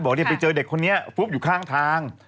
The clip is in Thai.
ไปเจอเด็กคนนี้ฟุบอยู่ข้างทาง